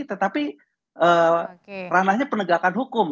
tetapi ranahnya penegakan hukum